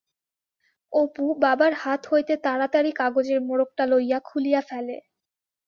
অপু বাবার হাত হইতে তাড়াতাড়ি কাগজের মোড়কটা লইয়া খুলিয়া ফেলে।